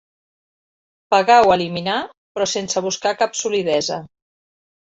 Pagar o eliminar, però sense buscar cap solidesa.